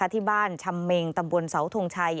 ที่บ้านชำเมงตำบลเสาทงชัย